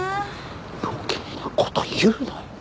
余計な事言うなよ！